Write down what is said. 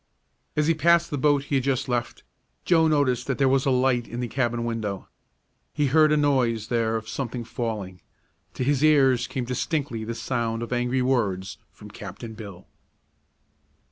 As he passed the boat he had just left, Joe noticed that there was a light in the cabin window. He heard a noise there as of something falling. To his ears came distinctly the sound of angry words from Captain Bill.